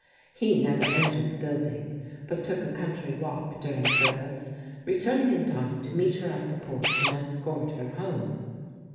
He never entered the building, but took a country walk during service, returning in time to meet her at the porch and escort her home.